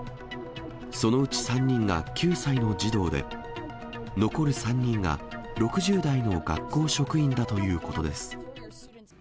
そのうち３人が９歳の児童で、残る３人が６０代の学校職員だということです。